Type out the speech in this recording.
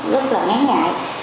rất là ngáng ngại